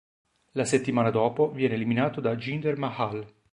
La settimana dopo viene eliminato da Jinder Mahal.